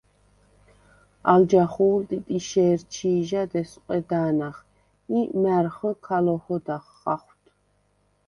ალ ჯახუ̄ლ ტიტიშე̄რ ჩი̄ჟად ესვყედა̄ნახ ი მა̈რხჷ ქა ლოჰოდახ ხახვდ.